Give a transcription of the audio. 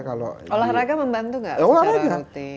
olahraga membantu gak secara rutin